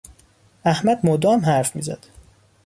احمد مدام حرف میزد.